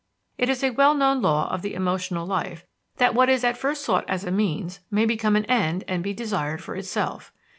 It is a well known law of the emotional life that what is at first sought as a means may become an end and be desired for itself.